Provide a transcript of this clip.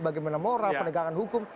bagaimana moral penegakan hukum